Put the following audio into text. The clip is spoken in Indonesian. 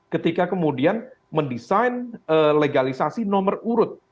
ketika kemudian mendesain legalisasi nomor urut